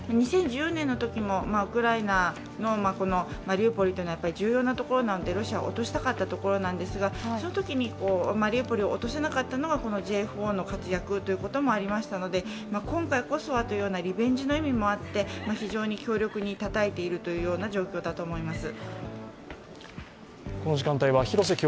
２０１０年のときもウクライナのマリウポリというのは重要な所なのでロシアは落としたかったところなんですが、そのときにマリウポリを落とせなかったのがこのＪＦＯの活躍ということもありましたので今回こそはというリベンジの意味もあって非常に強力にたたいている状況だと思います。